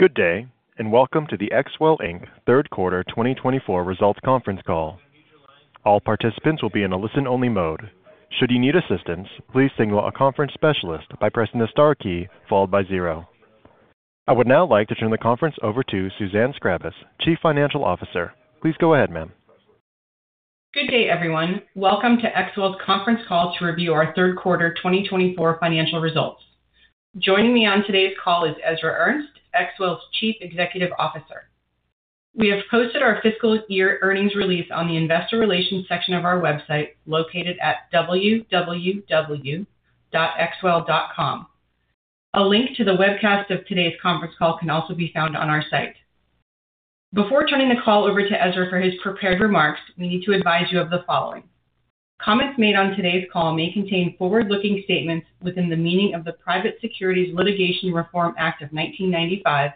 Good day, and welcome to the XWELL, Inc. third quarter 2024 results conference call. All participants will be in a listen-only mode. Should you need assistance, please signal a conference specialist by pressing the star key followed by zero. I would now like to turn the conference over to Suzanne Scrabis, Chief Financial Officer. Please go ahead, ma'am. Good day, everyone. Welcome to XWELL's conference call to review our third quarter 2024 financial results. Joining me on today's call is Ezra Ernst, XWELL's Chief Executive Officer. We have posted our fiscal year earnings release on the Investor Relations section of our website located at www.xwell.com. A link to the webcast of today's conference call can also be found on our site. Before turning the call over to Ezra for his prepared remarks, we need to advise you of the following. Comments made on today's call may contain forward-looking statements within the meaning of the Private Securities Litigation Reform Act of 1995,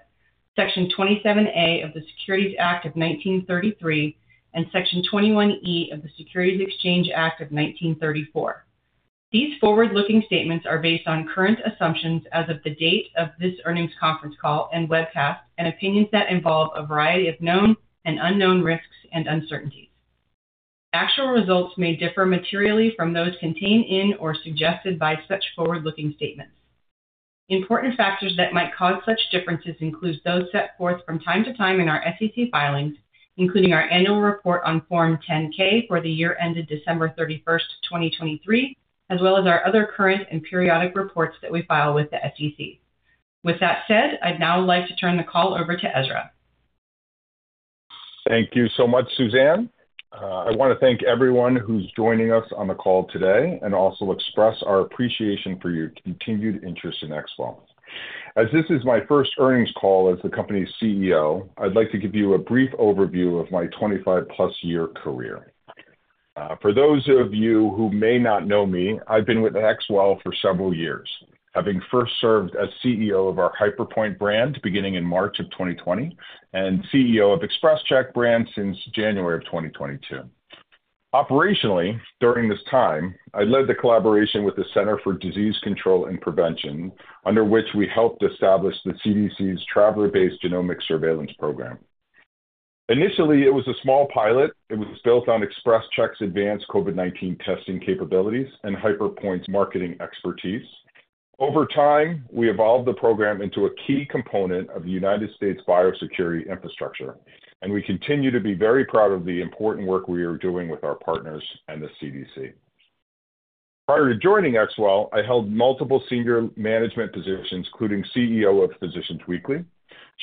Section 27A of the Securities Act of 1933, and Section 21E of the Securities Exchange Act of 1934. These forward-looking statements are based on current assumptions as of the date of this earnings conference call and webcast, and opinions that involve a variety of known and unknown risks and uncertainties. Actual results may differ materially from those contained in or suggested by such forward-looking statements. Important factors that might cause such differences include those set forth from time to time in our SEC filings, including our annual report on Form 10-K for the year ended December 31st, 2023, as well as our other current and periodic reports that we file with the SEC. With that said, I'd now like to turn the call over to Ezra. Thank you so much, Suzanne. I want to thank everyone who's joining us on the call today and also express our appreciation for your continued interest in XWELL. As this is my first earnings call as the company's CEO, I'd like to give you a brief overview of my 25-plus year career. For those of you who may not know me, I've been with XWELL for several years, having first served as CEO of our HyperPointe brand beginning in March of 2020 and CEO of XpresCheck brand since January of 2022. Operationally, during this time, I led the collaboration with the Centers for Disease Control and Prevention, under which we helped establish the CDC's Traveler-Based Genomic Surveillance Program. Initially, it was a small pilot. It was built on XpresCheck's advanced COVID-19 testing capabilities and HyperPointe's marketing expertise. Over time, we evolved the program into a key component of the United States biosecurity infrastructure, and we continue to be very proud of the important work we are doing with our partners and the CDC. Prior to joining XWELL, I held multiple senior management positions, including CEO of Physician's Weekly,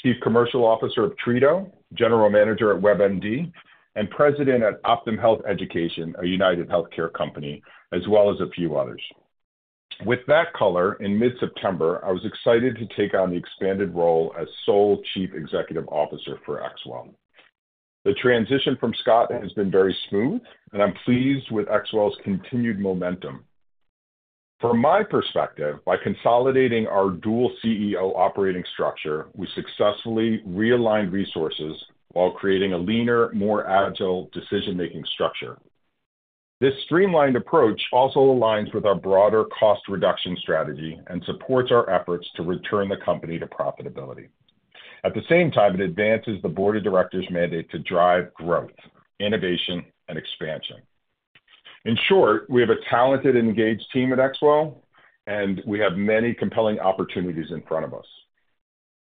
Chief Commercial Officer of Treato, General Manager at WebMD, and President at Optum Health Education, a UnitedHealthcare company, as well as a few others. With that color, in mid-September, I was excited to take on the expanded role as Sole Chief Executive Officer for XWELL. The transition from Scotland has been very smooth, and I'm pleased with XWELL's continued momentum. From my perspective, by consolidating our dual CEO operating structure, we successfully realigned resources while creating a leaner, more agile decision-making structure. This streamlined approach also aligns with our broader cost reduction strategy and supports our efforts to return the company to profitability. At the same time, it advances the Board of Directors mandate to drive growth, innovation, and expansion. In short, we have a talented and engaged team at XWELL, and we have many compelling opportunities in front of us.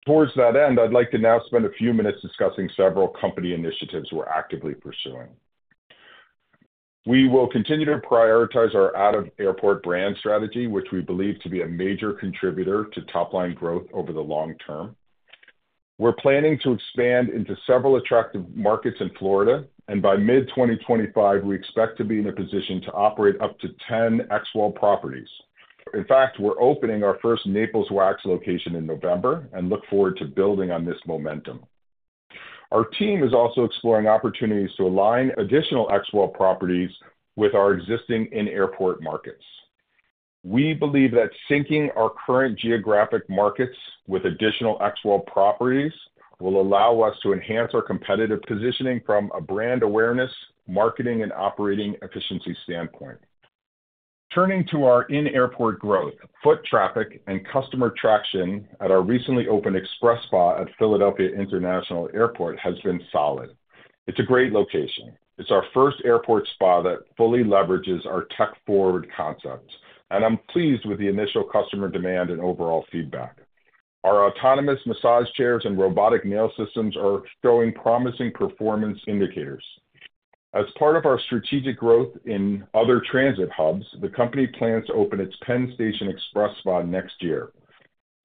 Towards that end, I'd like to now spend a few minutes discussing several company initiatives we're actively pursuing. We will continue to prioritize our out-of-airport brand strategy, which we believe to be a major contributor to top-line growth over the long term. We're planning to expand into several attractive markets in Florida, and by mid-2025, we expect to be in a position to operate up to 10 XWELL properties. In fact, we're opening our first Naples Wax location in November and look forward to building on this momentum. Our team is also exploring opportunities to align additional XWELL properties with our existing in-airport markets. We believe that syncing our current geographic markets with additional XWELL properties will allow us to enhance our competitive positioning from a brand awareness, marketing, and operating efficiency standpoint. Turning to our in-airport growth, foot traffic, and customer traction at our recently opened XpresSpa at Philadelphia International Airport has been solid. It's a great location. It's our first airport spa that fully leverages our tech-forward concept, and I'm pleased with the initial customer demand and overall feedback. Our autonomous massage chairs and robotic nail systems are showing promising performance indicators. As part of our strategic growth in other transit hubs, the company plans to open its Penn Station XpresSpa next year.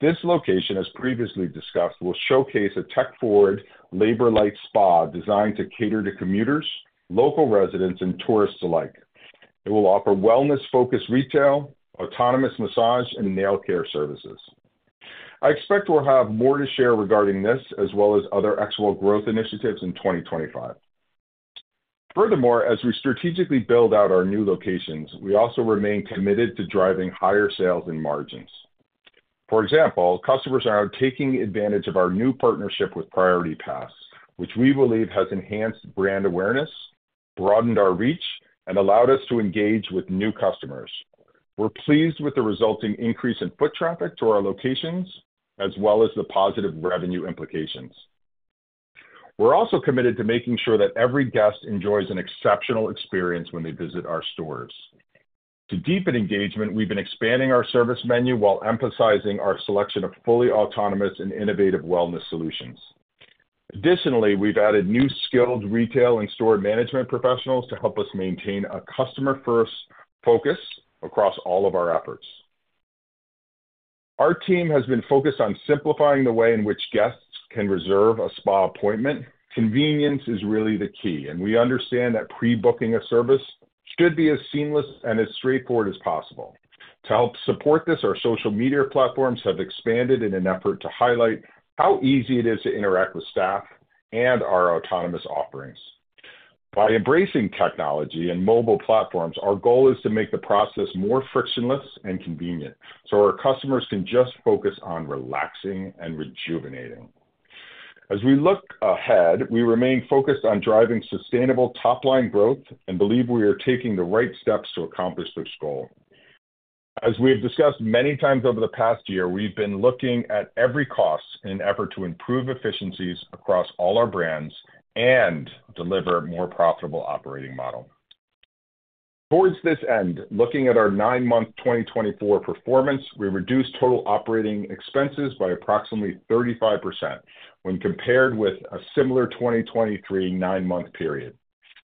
This location, as previously discussed, will showcase a tech-forward, labor-light spa designed to cater to commuters, local residents, and tourists alike. It will offer wellness-focused retail, autonomous massage, and nail care services. I expect we'll have more to share regarding this, as well as other XWELL growth initiatives in 2025. Furthermore, as we strategically build out our new locations, we also remain committed to driving higher sales and margins. For example, customers are now taking advantage of our new partnership with Priority Pass, which we believe has enhanced brand awareness, broadened our reach, and allowed us to engage with new customers. We're pleased with the resulting increase in foot traffic to our locations, as well as the positive revenue implications. We're also committed to making sure that every guest enjoys an exceptional experience when they visit our stores. To deepen engagement, we've been expanding our service menu while emphasizing our selection of fully autonomous and innovative wellness solutions. Additionally, we've added new skilled retail and store management professionals to help us maintain a customer-first focus across all of our efforts. Our team has been focused on simplifying the way in which guests can reserve a spa appointment. Convenience is really the key, and we understand that pre-booking a service should be as seamless and as straightforward as possible. To help support this, our social media platforms have expanded in an effort to highlight how easy it is to interact with staff and our autonomous offerings. By embracing technology and mobile platforms, our goal is to make the process more frictionless and convenient so our customers can just focus on relaxing and rejuvenating. As we look ahead, we remain focused on driving sustainable top-line growth and believe we are taking the right steps to accomplish this goal. As we have discussed many times over the past year, we've been looking at every cost in an effort to improve efficiencies across all our brands and deliver a more profitable operating model. Towards this end, looking at our nine-month 2024 performance, we reduced total operating expenses by approximately 35% when compared with a similar 2023 nine-month period.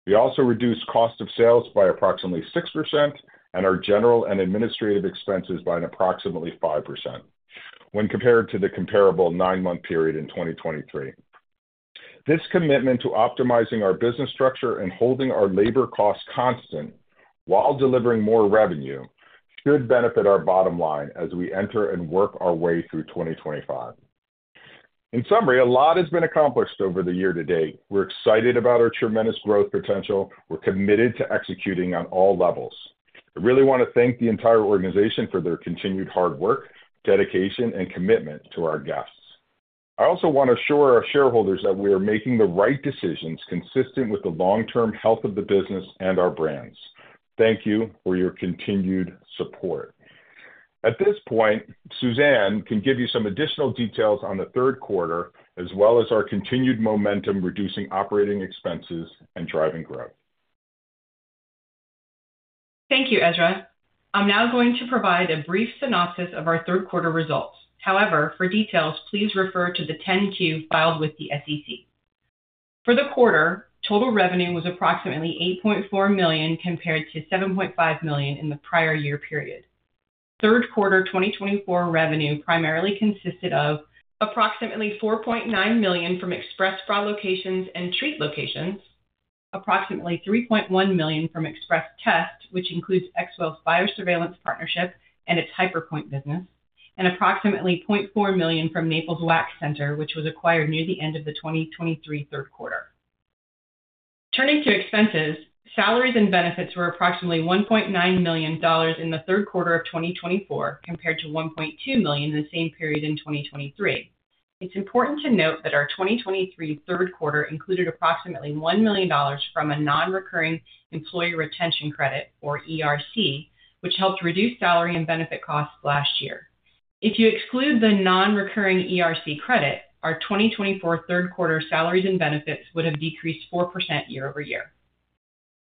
We also reduced cost of sales by approximately 6% and our general and administrative expenses by approximately 5% when compared to the comparable nine-month period in 2023. This commitment to optimizing our business structure and holding our labor costs constant while delivering more revenue should benefit our bottom line as we enter and work our way through 2025. In summary, a lot has been accomplished over the year to date. We're excited about our tremendous growth potential. We're committed to executing on all levels. I really want to thank the entire organization for their continued hard work, dedication, and commitment to our guests. I also want to assure our shareholders that we are making the right decisions consistent with the long-term health of the business and our brands. Thank you for your continued support. At this point, Suzanne can give you some additional details on the third quarter, as well as our continued momentum reducing operating expenses and driving growth. Thank you, Ezra. I'm now going to provide a brief synopsis of our third-quarter results. However, for details, please refer to the 10-Q filed with the SEC. For the quarter, total revenue was approximately $8.4 million compared to $7.5 million in the prior year period. Third quarter 2024 revenue primarily consisted of approximately $4.9 million from XpresSpa locations and Treat locations, approximately $3.1 million from XpresCheck, which includes XWELL's biosurveillance partnership and its HyperPointe business, and approximately $0.4 million from Naples Wax Center, which was acquired near the end of the 2023 third quarter. Turning to expenses, salaries and benefits were approximately $1.9 million in the third quarter of 2024 compared to $1.2 million in the same period in 2023. It's important to note that our 2023 third quarter included approximately $1 million from a non-recurring employee retention credit, or ERC, which helped reduce salary and benefit costs last year. If you exclude the non-recurring ERC credit, our 2024 third quarter salaries and benefits would have decreased 4% year over year.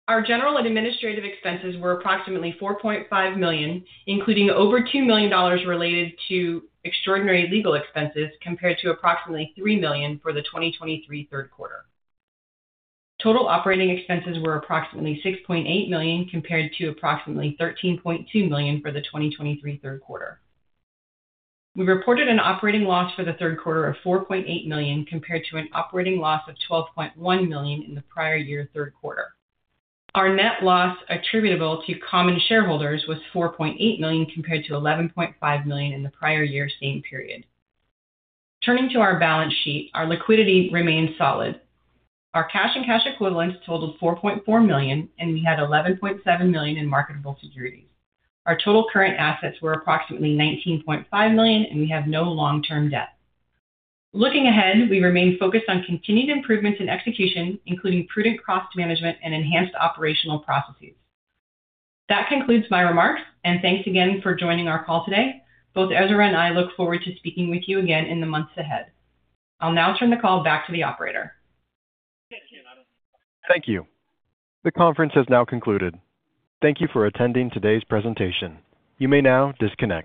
Our general and administrative expenses were approximately $4.5 million, including over $2 million related to extraordinary legal expenses compared to approximately $3 million for the 2023 third quarter. Total operating expenses were approximately $6.8 million compared to approximately $13.2 million for the 2023 third quarter. We reported an operating loss for the third quarter of $4.8 million compared to an operating loss of $12.1 million in the prior year third quarter. Our net loss attributable to common shareholders was $4.8 million compared to $11.5 million in the prior year same period. Turning to our balance sheet, our liquidity remained solid. Our cash and cash equivalents totaled $4.4 million, and we had $11.7 million in marketable securities. Our total current assets were approximately $19.5 million, and we have no long-term debt. Looking ahead, we remain focused on continued improvements in execution, including prudent cost management and enhanced operational processes. That concludes my remarks, and thanks again for joining our call today. Both Ezra and I look forward to speaking with you again in the months ahead. I'll now turn the call back to the operator. Thank you. The conference has now concluded. Thank you for attending today's presentation. You may now disconnect.